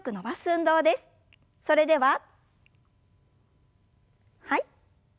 それでははい。